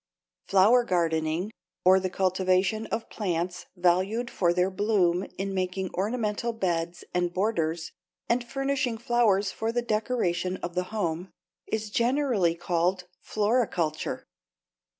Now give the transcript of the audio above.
Flower gardening, or the cultivation of plants valued for their bloom in making ornamental beds and borders and furnishing flowers for the decoration of the home, is generally called floriculture.